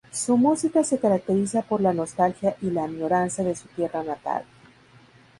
Su música se caracteriza por la nostalgia y la añoranza de su tierra natal.